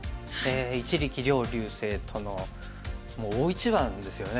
一力遼竜星とのもう大一番ですよね。